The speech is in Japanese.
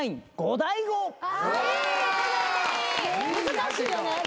難しいよねでも。